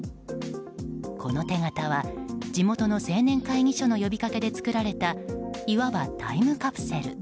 この手形は地元の青年会議所の呼びかけで作られたいわばタイムカプセル。